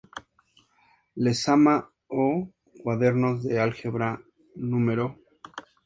Lezama, O., Cuadernos de Álgebra, No.